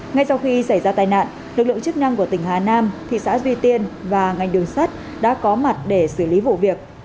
ngay sau khi xảy ra tai nạn lực lượng chức năng của tỉnh hà nam thị xã duy tiên và ngành đường sắt đã có mặt để xử lý vụ việc